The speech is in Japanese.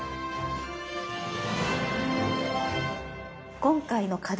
今回の課題